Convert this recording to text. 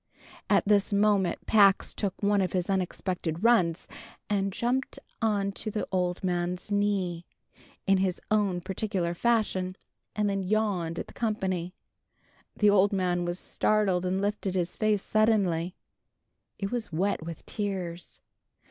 At this moment Pax took one of his unexpected runs, and jumped on to the old man's knee, in his own particular fashion, and then yawned at the company. The old man was startled, and lifted his face suddenly. It was wet with tears.